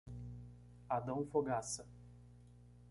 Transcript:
Adão Fogassa